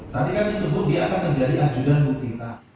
tadi kan disebut dia akan menjadi anjudan bukti